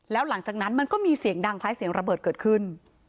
แล้วหลังจากนั้นมันก็มีเสียงดังคล้ายเสียงระเบิดเกิดขึ้น